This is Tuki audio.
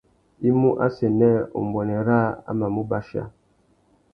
I mú assênē umbuênê râā a mà mú bachia.